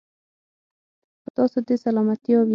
په تاسو دې سلامتيا وي.